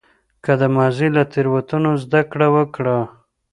که د ماضي له تېروتنو زده کړه وکړه.